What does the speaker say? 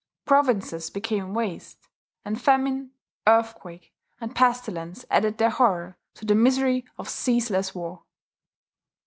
Provinces became waste; and famine, earthquake, and pestilence added their horror to the misery of ceaseless war.